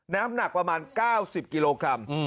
น้ำหนักประมาณ๙๐กิโลกรัม